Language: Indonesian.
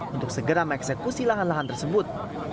untuk segera mengeksekusi lahan lahan tersebut